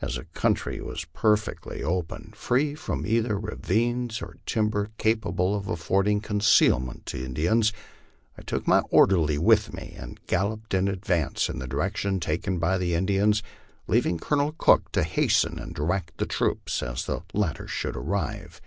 As the country was perfectly open, free from either ravines or timber capable of affording concealment to Indians, I took my orderly with me and galloped in advance in the direction taken by the Indians, leaving Colonel Cook to hasten and direct the troops as the latter should arrive.